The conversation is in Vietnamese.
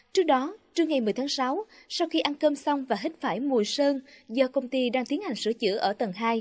trước đó trưa ngày một mươi tháng sáu sau khi ăn cơm xong và hít phải mùi sơn do công ty đang tiến hành sửa chữa ở tầng hai